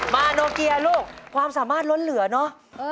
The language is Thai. มาโนเกียลูกความสามารถล้นเหลือเนอะ